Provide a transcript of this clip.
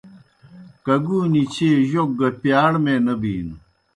کگُونیْ چیئے جوک گہ پِیاڑمے نہ بِینوْ۔